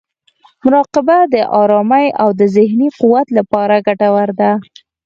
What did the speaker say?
مراقبه د ارامۍ او ذهني قوت لپاره ګټوره ده.